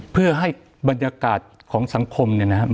เพื่อให้บรรยากาศของสังคมเนี่ยนะครับ